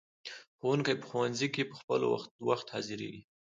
ښوونکي په ښوونځیو کې په خپل وخت حاضریږي.